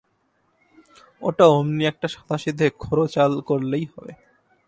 ওটা অমনি একটা সাদাসিধে খোড়ো চাল করলেই হবে।